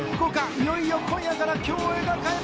いよいよ今夜から競泳が開幕！